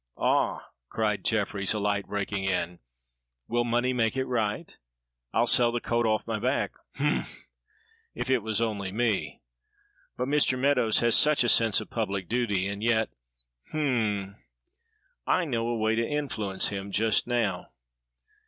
"Ah!" cried Jefferies, a light breaking in, "will money make it right? I'll sell the coat off my back." "Humph! If it was only me but Mr. Meadows has such a sense of public duty, and yet hum! I know a way to influence him just now."